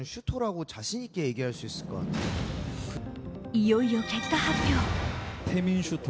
いよいよ、結果発表。